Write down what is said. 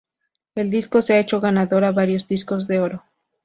El disco se ha hecho ganador a varios discos de oro.